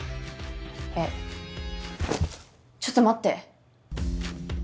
えっちょっと待って。